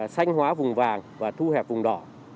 xanh hóa vùng vàng và thu hẹp vùng đỏ